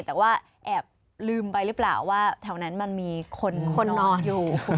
แต่ว่าแอบลืมไปหรือเปล่าว่าแถวนั้นมันมีคนนอนอยู่